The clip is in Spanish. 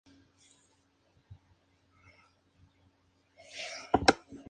La disposición fuertemente clasista presenta numerosos arcos y columnas y una escalera monumental.